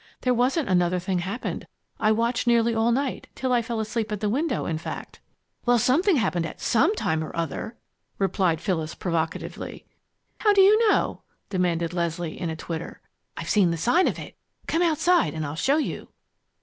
"There wasn't another thing happened. I watched nearly all night till I fell asleep at the window, in fact!" "Well, something happened at some time or other!" replied Phyllis, provocatively. "How do you know?" demanded Leslie, in a twitter. "I've seen the sign of it. Come outside and I'll show you!"